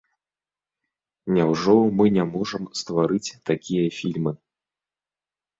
Няўжо мы не можам стварыць такія фільмы?